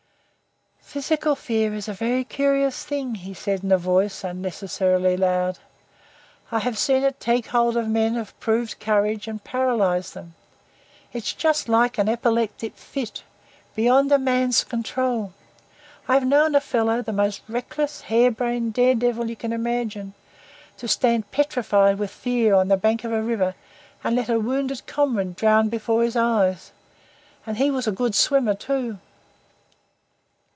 "Physical fear is a very curious thing," he said in a voice unnecessarily loud. "I've seen it take hold of men of proved courage and paralyse them. It's just like an epileptic fit beyond a man's control. I've known a fellow the most reckless, hare brained daredevil you can imagine to stand petrified with fear on the bank of a river, and let a wounded comrade drown before his eyes. And he was a good swimmer too."